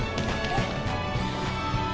えっ？